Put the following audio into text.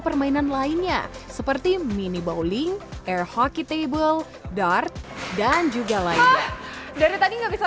permainan lainnya seperti mini bowling air hockey table dart dan juga lainnya dari tadi nggak bisa